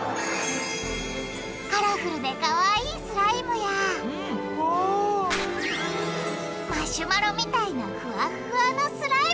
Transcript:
カラフルでかわいいスライムやマシュマロみたいなえっ？